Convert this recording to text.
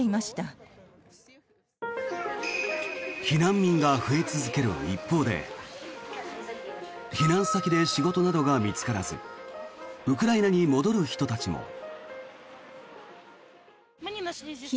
避難民が増え続ける一方で避難先で仕事などが見つからずウクライナに戻る人たちも。